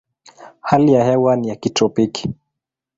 Hali ya hewa ni ya kitropiki.